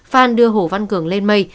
phan đưa hồ văn cường lên mây